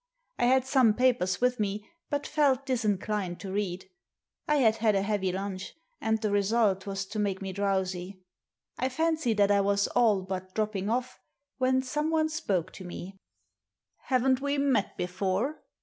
I had some papers with me, but felt disinclined to read. I had had a heavy lunch, and the result was to make me drowsy. I fancy that I was all but dropping off, when someone spoke to me. Haven't we met before